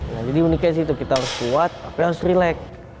nah jadi uniknya di situ kita harus kuat apa yang harus relax